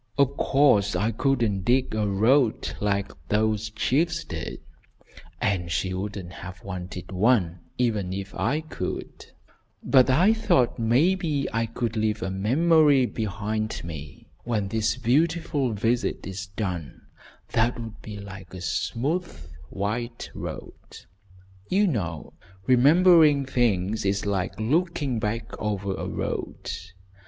"Of course I couldn't dig a road like those chiefs did, and she wouldn't have wanted one, even if I could; but I thought maybe I could leave a memory behind me when this beautiful visit is done, that would be like a smooth, white road. You know remembering things is like looking back over a road.